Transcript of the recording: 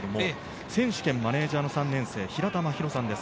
選手兼マネジャーの３年生・平田真滉さんです。